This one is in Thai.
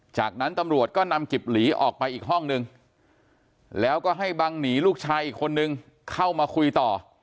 จากนั้นตำรวจก็นำกิบหลีออกไปอีกห้องนึงแล้วก็ให้บังหนีลูกชายอีกคนนึงเข้ามาคุยต่อ